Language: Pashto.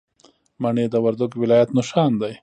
مڼې د وردګو ولایت نښان دی.